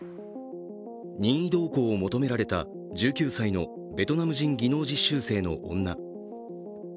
任意同行を求められた１９歳のベトナム人技能実習生の女。